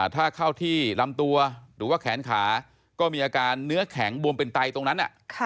ถ้าเข้าที่ลำตัวหรือว่าแขนขาก็มีอาการเนื้อแข็งบวมเป็นไตตรงนั้น